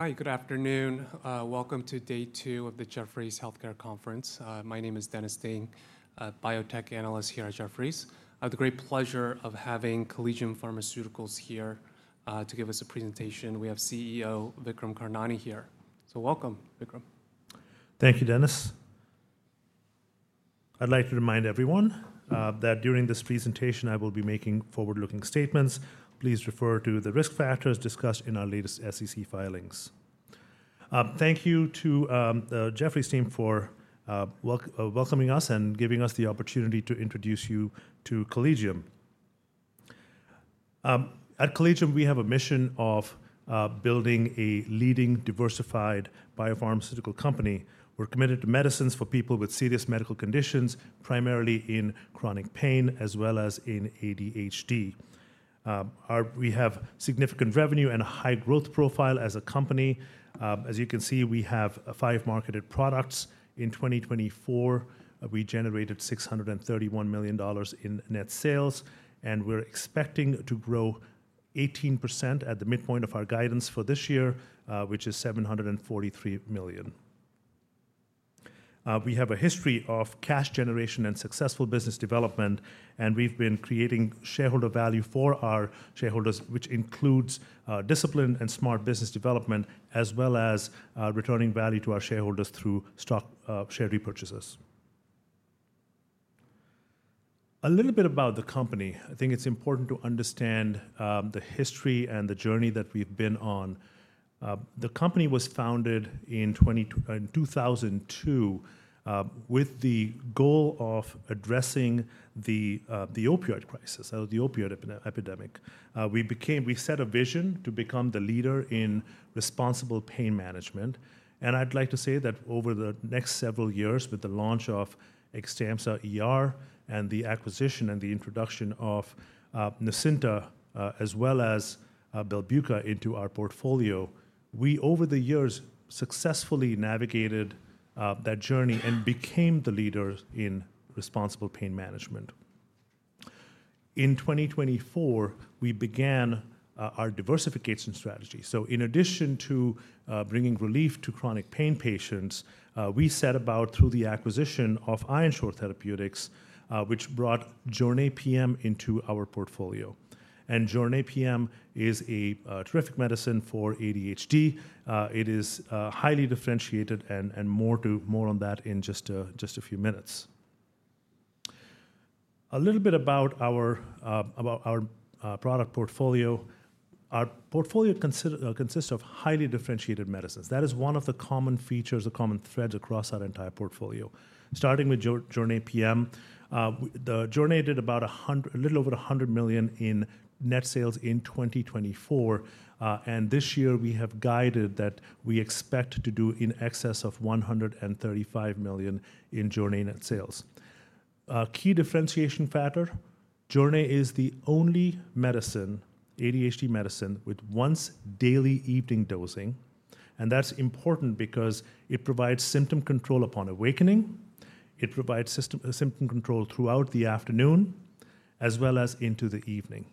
Hi, good afternoon. Welcome to Day Two of the Jefferies Healthcare Conference. My name is Dennis Ding, Biotech Analyst here at Jefferies. I have the great pleasure of having Collegium Pharmaceuticals here to give us a presentation. We have CEO Vikram Karnani here. So welcome, Vikram. Thank you, Dennis. I'd like to remind everyone that during this presentation, I will be making forward-looking statements. Please refer to the risk factors discussed in our latest SEC filings. Thank you to the Jefferies team for welcoming us and giving us the opportunity to introduce you to Collegium. At Collegium, we have a mission of building a leading, diversified biopharmaceutical company. We're committed to medicines for people with serious medical conditions, primarily in chronic pain, as well as in ADHD. We have significant revenue and a high growth profile as a company. As you can see, we have five marketed products. In 2024, we generated $631 million in net sales, and we're expecting to grow 18% at the midpoint of our guidance for this year, which is $743 million. We have a history of cash generation and successful business development, and we've been creating shareholder value for our shareholders, which includes discipline and smart business development, as well as returning value to our shareholders through stock share repurchases. A little bit about the company. I think it's important to understand the history and the journey that we've been on. The company was founded in 2002 with the goal of addressing the opioid crisis, the opioid epidemic. We set a vision to become the leader in responsible pain management. I'd like to say that over the next several years, with the launch of XTAMPZA ER and the acquisition and the introduction of NUCYNTA, as well as BELBUCA into our portfolio, we, over the years, successfully navigated that journey and became the leader in responsible pain management. In 2024, we began our diversification strategy. In addition to bringing relief to chronic pain patients, we set about through the acquisition of Ironshore Therapeutics, which brought JORNAY PM into our portfolio. JORNAY PM is a terrific medicine for ADHD. It is highly differentiated, and more on that in just a few minutes. A little bit about our product portfolio. Our portfolio consists of highly differentiated medicines. That is one of the common features, the common threads across our entire portfolio. Starting with JORNAY PM, JORNAY did about a little over $100 million in net sales in 2024. This year, we have guided that we expect to do in excess of $135 million in JORNAY net sales. Key differentiation factor, JORNAY is the only ADHD medicine with once-daily evening dosing. That is important because it provides symptom control upon awakening. It provides symptom control throughout the afternoon, as well as into the evening.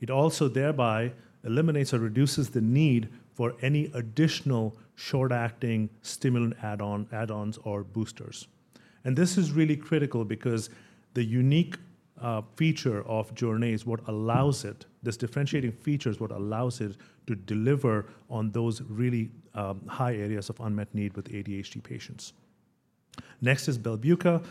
It also thereby eliminates or reduces the need for any additional short-acting stimulant add-ons or boosters. This is really critical because the unique feature of JORNAY is what allows it, this differentiating feature is what allows it to deliver on those really high areas of unmet need with ADHD patients. Next is BELBUCA.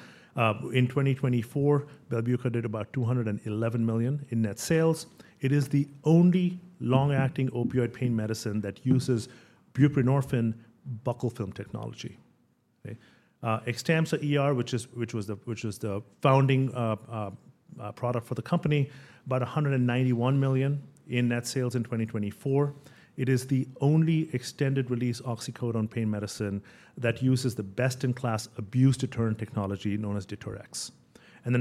In 2024, BELBUCA did about $211 million in net sales. It is the only long-acting opioid pain medicine that uses buprenorphine buccal film technology. XTAMPZA ER, which was the founding product for the company, about $191 million in net sales in 2024. It is the only extended-release oxycodone pain medicine that uses the best-in-class abuse deterrent technology known as DETERx.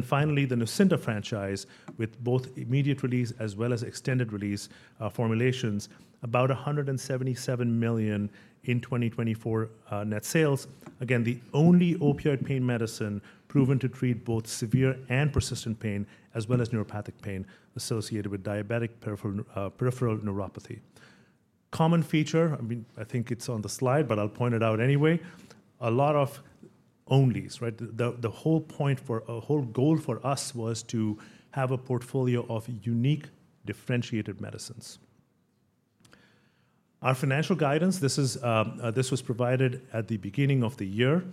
Finally, the NUCYNTA franchise with both immediate release as well as extended-release formulations, about $177 million in 2024 net sales. Again, the only opioid pain medicine proven to treat both severe and persistent pain, as well as neuropathic pain associated with diabetic peripheral neuropathy. Common feature, I think it's on the slide, but I'll point it out anyway. A lot of onlys. The whole goal for us was to have a portfolio of unique, differentiated medicines. Our financial guidance, this was provided at the beginning of the year.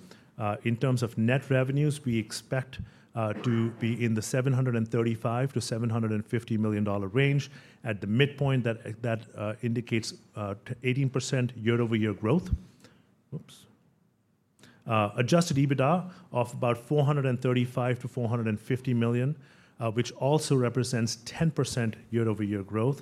In terms of net revenues, we expect to be in the $735-$750 million range. At the midpoint, that indicates 18% year-over-year growth. Adjusted EBITDA of about $435-$450 million, which also represents 10% year-over-year growth.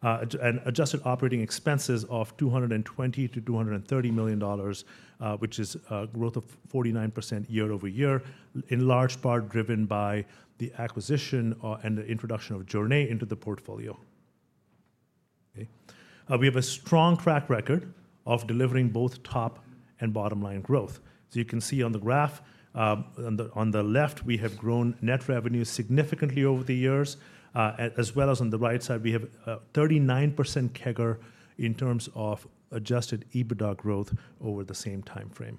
Adjusted operating expenses of $220-$230 million, which is a growth of 49% year-over-year, in large part driven by the acquisition and the introduction of JORNAY into the portfolio. We have a strong track record of delivering both top and bottom-line growth. You can see on the graph, on the left, we have grown net revenue significantly over the years, as well as on the right side, we have 39% CAGR in terms of adjusted EBITDA growth over the same timeframe.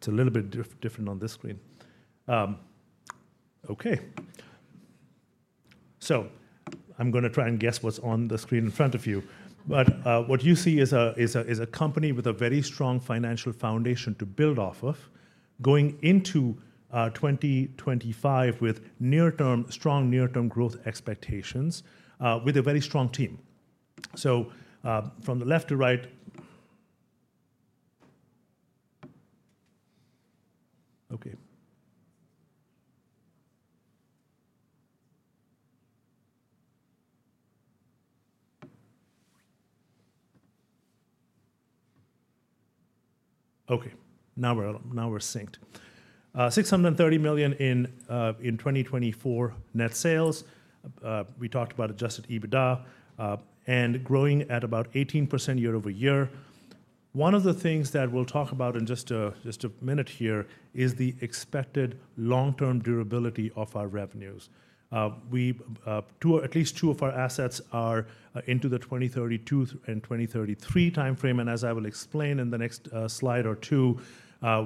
It's a little bit different on this screen. Okay. I'm going to try and guess what's on the screen in front of you. What you see is a company with a very strong financial foundation to build off of, going into 2025 with strong near-term growth expectations, with a very strong team. From the left to right. Okay. Okay. Now we're synced. $630 million in 2024 net sales. We talked about adjusted EBITDA and growing at about 18% year-over-year. One of the things that we'll talk about in just a minute here is the expected long-term durability of our revenues. At least two of our assets are into the 2032 and 2033 timeframe. As I will explain in the next slide or two,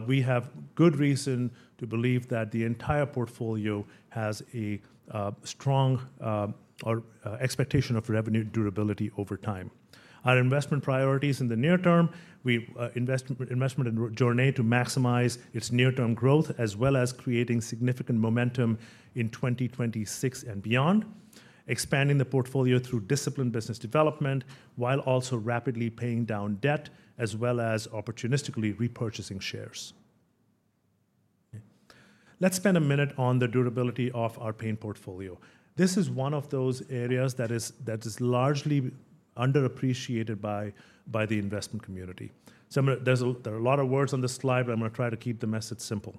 we have good reason to believe that the entire portfolio has a strong expectation of revenue durability over time. Our investment priorities in the near term, we invest in JORNAY to maximize its near-term growth, as well as creating significant momentum in 2026 and beyond, expanding the portfolio through disciplined business development, while also rapidly paying down debt, as well as opportunistically repurchasing shares. Let's spend a minute on the durability of our pain portfolio. This is one of those areas that is largely underappreciated by the investment community. There are a lot of words on this slide, but I'm going to try to keep the message simple.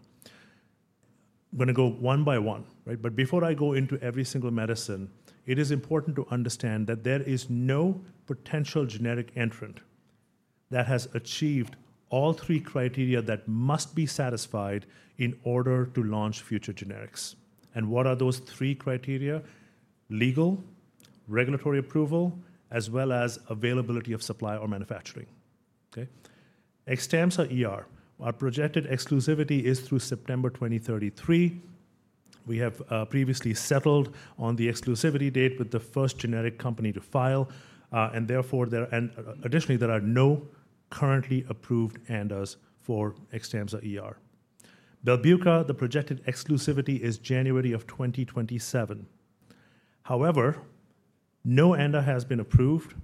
I'm going to go one by one. Before I go into every single medicine, it is important to understand that there is no potential generic entrant that has achieved all three criteria that must be satisfied in order to launch future generics. What are those three criteria? Legal, regulatory approval, as well as availability of supply or manufacturing. XTAMPZA ER, our projected exclusivity is through September 2033. We have previously settled on the exclusivity date with the first generic company to file. Additionally, there are no currently approved ANDAs for XTAMPZA ER. BELBUCA, the projected exclusivity is January of 2027. However, no ANDA has been approved.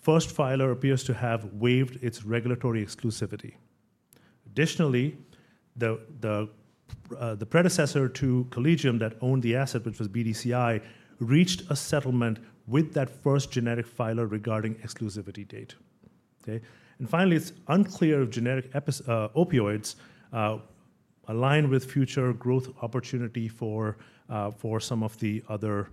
First filer appears to have waived its regulatory exclusivity. Additionally, the predecessor to Collegium that owned the asset, which was BDSI, reached a settlement with that first generic filer regarding exclusivity date. Finally, it's unclear if generic opioids align with future growth opportunity for some of the other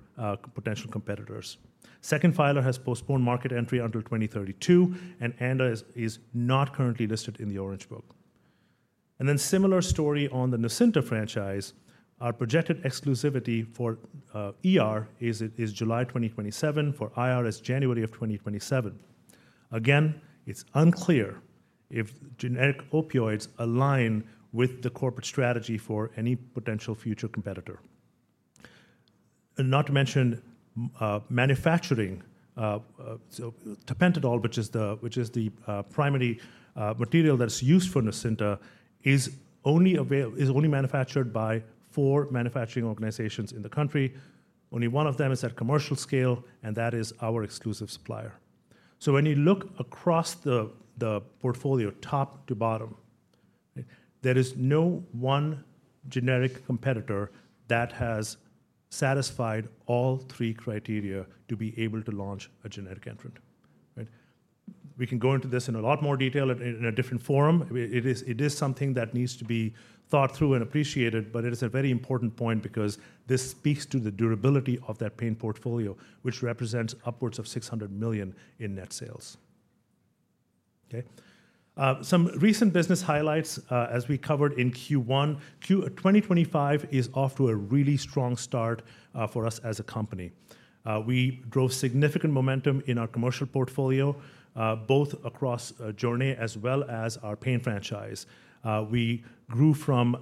potential competitors. Second filer has postponed market entry until 2032, and ANDA is not currently listed in the Orange Book. Then similar story on the NUCYNTA franchise. Our projected exclusivity for ER is July 2027. For IR, it's January of 2027. Again, it's unclear if generic opioids align with the corporate strategy for any potential future competitor. Not to mention, manufacturing tapentadol, which is the primary material that is used for NUCYNTA, is only manufactured by four manufacturing organizations in the country. Only one of them is at commercial scale, and that is our exclusive supplier. When you look across the portfolio, top to bottom, there is no one generic competitor that has satisfied all three criteria to be able to launch a generic entrant. We can go into this in a lot more detail in a different forum. It is something that needs to be thought through and appreciated, but it is a very important point because this speaks to the durability of that pain portfolio, which represents upwards of $600 million in net sales. Some recent business highlights, as we covered in Q1, 2025 is off to a really strong start for us as a company. We drove significant momentum in our commercial portfolio, both across JORNAY as well as our pain franchise. We grew from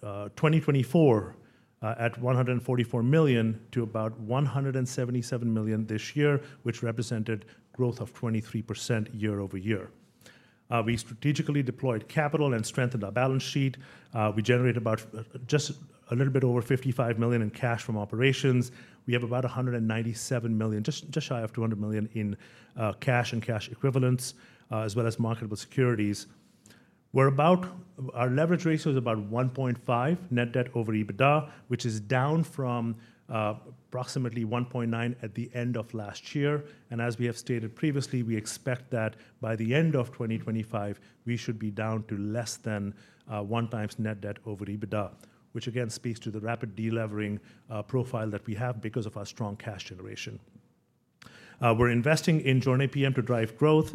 2024 at $144 million to about $177 million this year, which represented growth of 23% year-over-year. We strategically deployed capital and strengthened our balance sheet. We generated about just a little bit over $55 million in cash from operations. We have about $197 million, just shy of $200 million in cash and cash equivalents, as well as marketable securities. Our leverage ratio is about 1.5 net debt over EBITDA, which is down from approximately 1.9 at the end of last year. As we have stated previously, we expect that by the end of 2025, we should be down to less than one times net debt over EBITDA, which again speaks to the rapid delevering profile that we have because of our strong cash generation. We're investing in JORNAY PM to drive growth.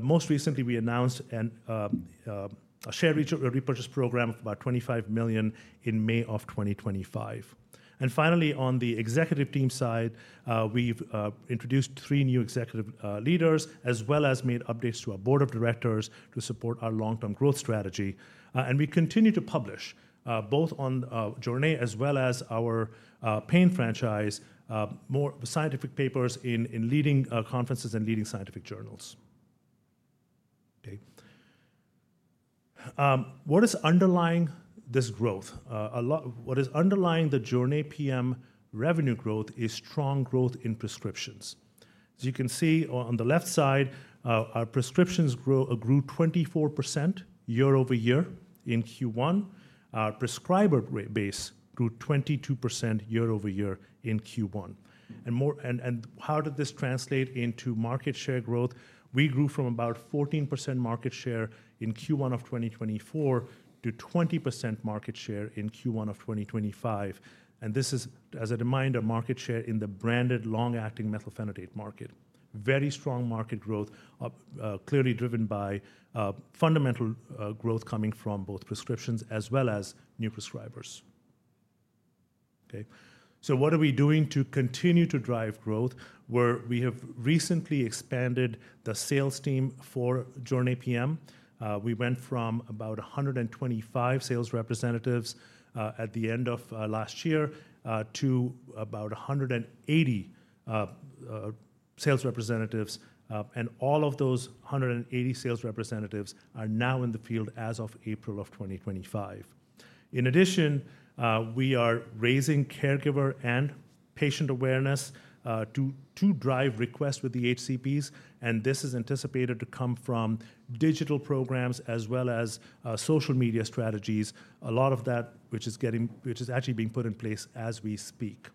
Most recently, we announced a share repurchase program of about $25 million in May of 2025. Finally, on the executive team side, we've introduced three new executive leaders, as well as made updates to our board of directors to support our long-term growth strategy. We continue to publish both on JORNAY as well as our pain franchise scientific papers in leading conferences and leading scientific journals. What is underlying this growth? What is underlying the JORNAY PM revenue growth is strong growth in prescriptions. As you can see on the left side, our prescriptions grew 24% year-over-year in Q1. Our prescriber base grew 22% year-over-year in Q1. How did this translate into market share growth? We grew from about 14% market share in Q1 of 2024 to 20% market share in Q1 of 2025. This is, as a reminder, market share in the branded long-acting methylphenidate market. Very strong market growth, clearly driven by fundamental growth coming from both prescriptions as well as new prescribers. What are we doing to continue to drive growth? We have recently expanded the sales team for JORNAY PM. We went from about 125 sales representatives at the end of last year to about 180 sales representatives. All of those 180 sales representatives are now in the field as of April of 2025. In addition, we are raising caregiver and patient awareness to drive requests with the HCPs. This is anticipated to come from digital programs as well as social media strategies, a lot of that which is actually being put in place as we speak.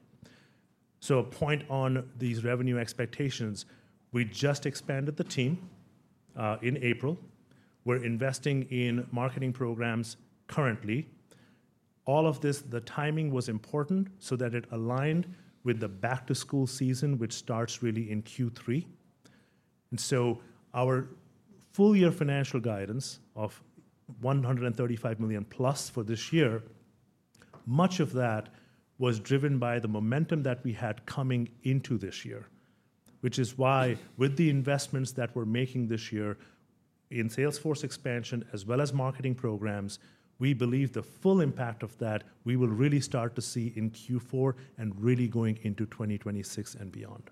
A point on these revenue expectations, we just expanded the team in April. We are investing in marketing programs currently. All of this, the timing was important so that it aligned with the back-to-school season, which starts really in Q3. Our full-year financial guidance of $135 million plus for this year, much of that was driven by the momentum that we had coming into this year, which is why with the investments that we're making this year in Salesforce expansion as well as marketing programs, we believe the full impact of that we will really start to see in Q4 and really going into 2026 and beyond.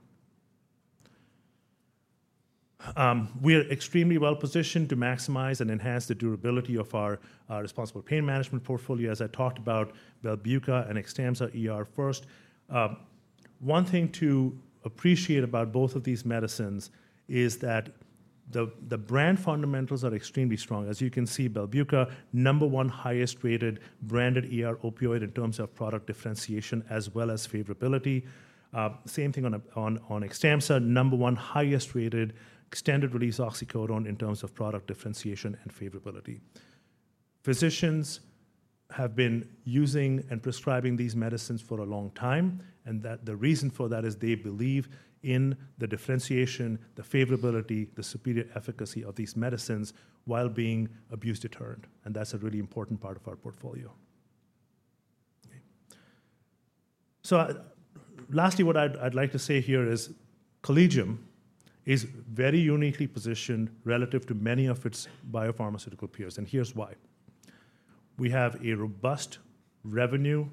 We are extremely well-positioned to maximize and enhance the durability of our responsible pain management portfolio. As I talked about BELBUCA and XTAMPZA ER first, one thing to appreciate about both of these medicines is that the brand fundamentals are extremely strong. As you can see, BELBUCA, number one highest-rated branded opioid in terms of product differentiation as well as favorability. Same thing on XTAMPZA, number one highest-rated extended-release oxycodone in terms of product differentiation and favorability. Physicians have been using and prescribing these medicines for a long time. The reason for that is they believe in the differentiation, the favorability, the superior efficacy of these medicines while being abuse-deterrent. That is a really important part of our portfolio. Lastly, what I'd like to say here is Collegium is very uniquely positioned relative to many of its biopharmaceutical peers. Here's why. We have a robust revenue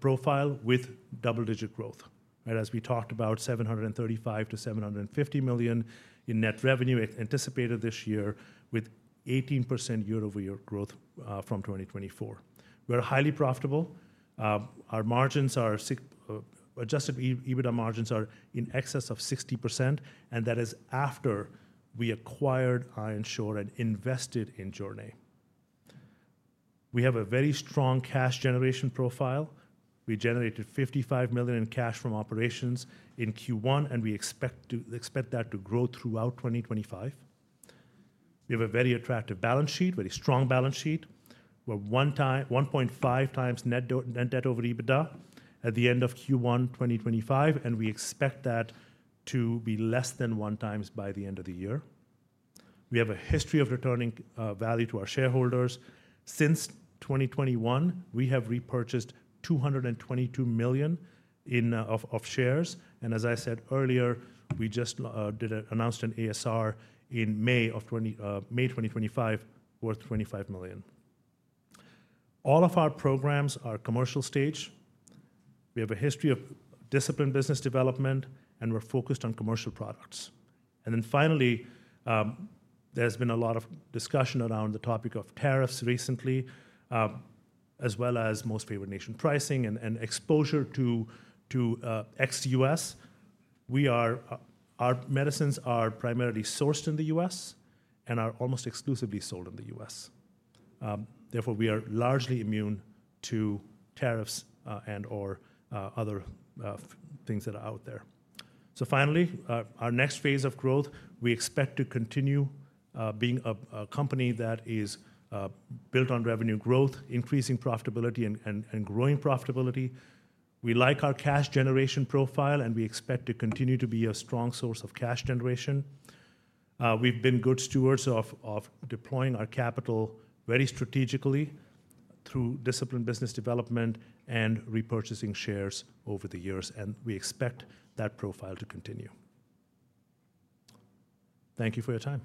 profile with double-digit growth. As we talked about, $735-$750 million in net revenue anticipated this year with 18% year-over-year growth from 2024. We're highly profitable. Our adjusted EBITDA margins are in excess of 60%. That is after we acquired Ironshore and invested in JORNAY. We have a very strong cash generation profile. We generated $55 million in cash from operations in Q1, and we expect that to grow throughout 2025. We have a very attractive balance sheet, very strong balance sheet. We're 1.5 times net debt over EBITDA at the end of Q1 2025, and we expect that to be less than one times by the end of the year. We have a history of returning value to our shareholders. Since 2021, we have repurchased $222 million of shares. As I said earlier, we just announced an ASR in May 2025 worth $25 million. All of our programs are commercial stage. We have a history of discipline business development, and we're focused on commercial products. Finally, there's been a lot of discussion around the topic of tariffs recently, as well as most favorite nation pricing and exposure to ex-U.S. Our medicines are primarily sourced in the U.S. and are almost exclusively sold in the U.S.. Therefore, we are largely immune to tariffs and/or other things that are out there. Finally, our next phase of growth, we expect to continue being a company that is built on revenue growth, increasing profitability and growing profitability. We like our cash generation profile, and we expect to continue to be a strong source of cash generation. We've been good stewards of deploying our capital very strategically through disciplined business development and repurchasing shares over the years. We expect that profile to continue. Thank you for your time.